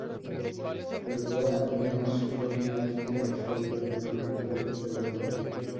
Fedora Linux fue finalmente absorbido en el Proyecto Fedora.